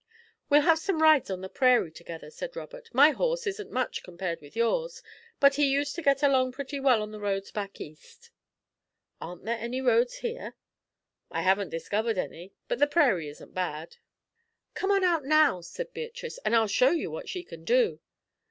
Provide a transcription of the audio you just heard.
"We'll have some rides on the prairie together," said Robert. "My horse isn't much, compared with yours, but he used to get along pretty well on the roads back East." "Aren't there any roads here?" "I haven't discovered any, but the prairie isn't bad." "Come on out now," said Beatrice, "and I'll show you what she can do."